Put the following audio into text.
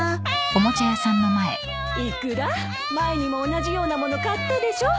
イクラ前にも同じような物買ったでしょ。